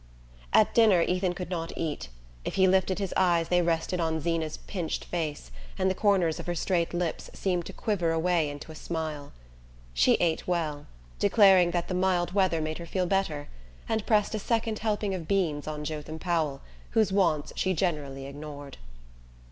At dinner Ethan could not eat. If he lifted his eyes they rested on Zeena's pinched face, and the corners of her straight lips seemed to quiver away into a smile. She ate well, declaring that the mild weather made her feel better, and pressed a second helping of beans on Jotham Powell, whose wants she generally ignored.